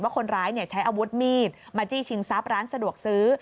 คนร้ายใช้อาวุธมีดมาจี้ชิงทรัพย์ร้านสะดวกซื้อ